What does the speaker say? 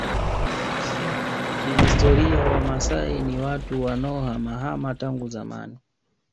Kihistoria Wamaasai ni watu wanaohamahama tangu zamani